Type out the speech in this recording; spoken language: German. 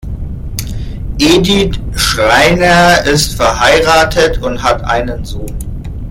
Edith Schreiner ist verheiratet und hat einen Sohn.